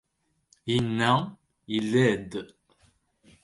Inna, illa-d.